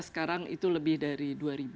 sekarang itu lebih dari dua ribu